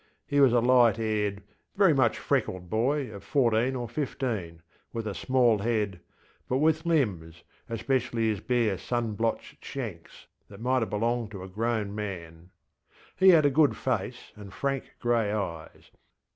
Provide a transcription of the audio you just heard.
He was a light haired, very much freckled boy of fourteen or fifteen, with a small head, but with limbs, especially his bare sun blotched shanks, that might have belonged to a grown man. He had a good face and frank grey eyes.